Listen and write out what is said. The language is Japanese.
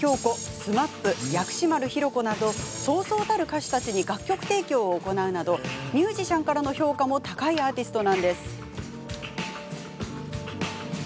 ＳＭＡＰ、薬師丸ひろ子などそうそうたる歌手たちに楽曲提供を行うなどミュージシャンからの評価も高いアーティストなんです。